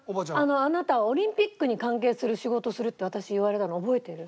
あなたはオリンピックに関係する仕事するって私言われたの覚えてる？